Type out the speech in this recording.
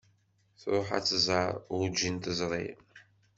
Tṛuḥ ad tẓer, urǧin teẓri.